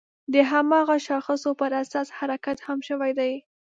د هماغه شاخصو پر اساس حرکت هم شوی دی.